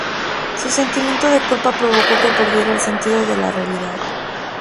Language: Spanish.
Su sentimiento de culpa provocó que perdiera el sentido de la realidad.